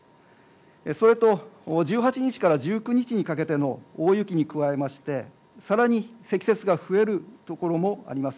それと、１８日から１９日にかけての大雪に加えまして更に積雪が増えるところもあります。